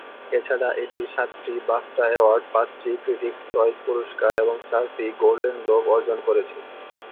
এছাড়া এটি সাতটি বাফটা অ্যাওয়ার্ড, পাঁচটি ক্রিটিকস চয়েস পুরস্কার এবং চারটি গোল্ডেন গ্লোব অর্জন করেছে।